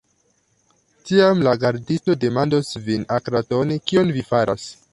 Tiam la gardisto demandos vin akratone, kion vi faras.